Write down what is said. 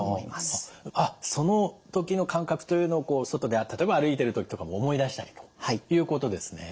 あっその時の感覚というのを外で例えば歩いている時とかも思い出したりということですね。